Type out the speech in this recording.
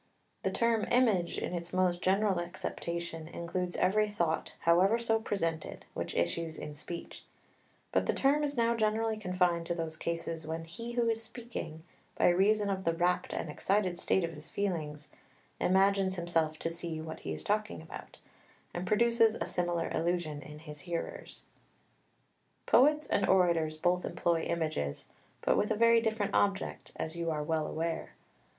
The term image in its most general acceptation includes every thought, howsoever presented, which issues in speech. But the term is now generally confined to those cases when he who is speaking, by reason of the rapt and excited state of his feelings, imagines himself to see what he is talking about, and produces a similar illusion in his hearers. [Footnote 1: εἰδωλοποιΐαι, "fictions of the imagination," Hickie.] 2 Poets and orators both employ images, but with a very different object, as you are well aware.